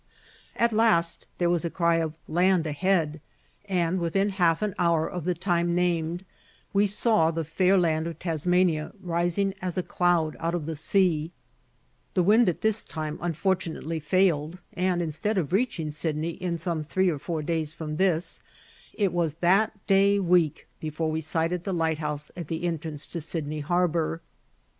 At last there was a cry of "land ahead," and within half an hour of the time named, we saw the fair land of Tasmania rising as a cloud out of the sea; the wind at this time unfortunately failed, and instead of reaching Sydney in some three or four days from this, it was that day week before we sighted the lighthouse at the entrance to Sydney Harbour.